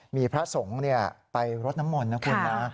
มีพระสงฆ์ไปรดน้ำมนต์นะคุณนะ